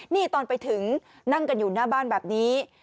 นี่ตอนไปถึงนั่งกันอยู่หน้าบ้านแบบนี้